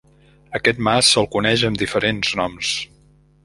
Aquest mas se'l coneix amb diferents noms.